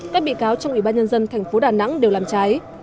các bị cáo trong ủy ban nhân dân tp đà nẵng đều làm trái